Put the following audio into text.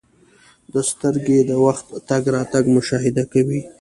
• سترګې د وخت تګ راتګ مشاهده کوي.